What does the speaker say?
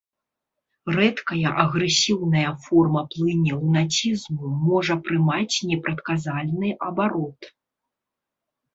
Рэдкая агрэсіўная форма плыні лунацізму можа прымаць непрадказальны абарот.